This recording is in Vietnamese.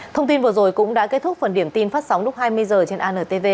thông tin vừa rồi cũng đã kết thúc phần điểm tin phát sóng lúc hai mươi h trên antv